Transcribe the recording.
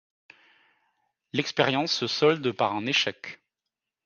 L'expérience se solde par un échec.